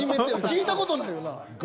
聞いた事ないよな？